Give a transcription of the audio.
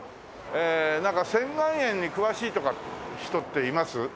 なんか仙巌園に詳しい人っています？